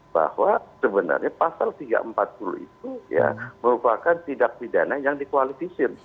bahwa sebenarnya pasal tiga ratus empat puluh itu merupakan tindak pidana yang dikualifikasi